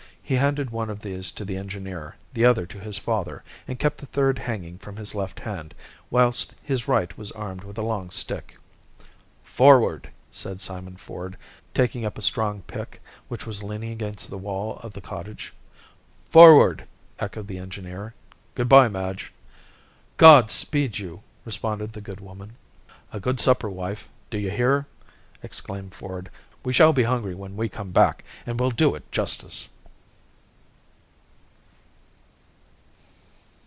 He handed one of these to the engineer, the other to his father, and kept the third hanging from his left hand, whilst his right was armed with a long stick. "Forward!" said Simon Ford, taking up a strong pick, which was leaning against the wall of the cottage. "Forward!" echoed the engineer. "Good by, Madge." "God speed you!" responded the good woman. "A good supper, wife, do you hear?" exclaimed Ford. "We shall be hungry when we come back, and will do it justice!"